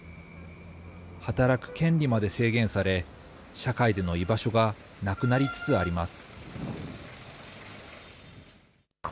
働く権利まで制限され、社会での居場所がなくなりつつあります。